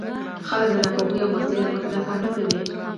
خلک د ناپوهۍ او مستۍ له مخې دا کار نه کوي.